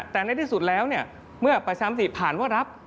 แต่ในที่สุดแล้วเนี่ยเมื่อประชามติผ่านว่ารับ